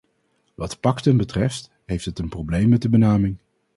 Wat pacten betreft heeft het een probleem met de benaming.